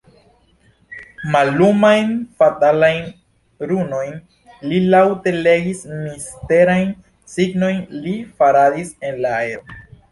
Mallumajn, fatalajn runojn li laŭte legis; misterajn signojn li faradis en la aero.